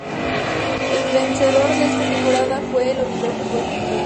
El vencedor de esa temporada fue el Oviedo Fútbol Club.